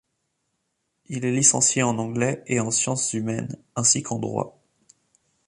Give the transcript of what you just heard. Il est licencié en anglais et en sciences humaines, ainsi qu'en droit.